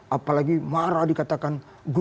apalagi marah dikatakan